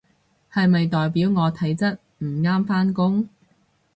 係咪代表我體質唔啱返工？